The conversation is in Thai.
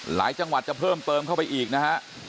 จังหวัดจะเพิ่มเติมเข้าไปอีกนะฮะ